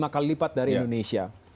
lima kali lipat dari indonesia